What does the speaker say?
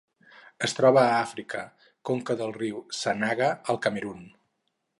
Es troba a Àfrica: conca del riu Sanaga al Camerun.